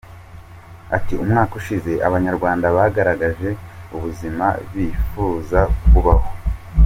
Ati “Umwaka ushize abanyarwanda bagaragaje ubuzima bifuza kubaho.